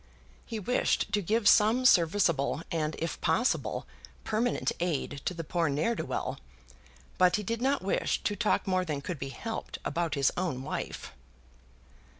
He wished to give some serviceable, and, if possible, permanent aid to the poor ne'er do well; but he did not wish to talk more than could be helped about his own wife.